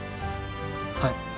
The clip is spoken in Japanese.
はい。